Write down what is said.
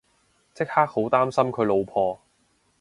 即刻好擔心佢老婆